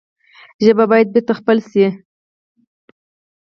ژبه باید بېرته خپل شي.